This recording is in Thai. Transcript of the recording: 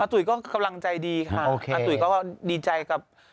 ตุ๋ยก็กำลังใจดีค่ะอาตุ๋ยก็ดีใจกับ